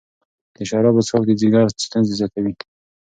د شرابو څښاک د ځیګر ستونزې زیاتوي.